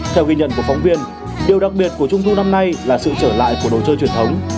theo ghi nhận của phóng viên điều đặc biệt của trung thu năm nay là sự trở lại của đồ chơi truyền thống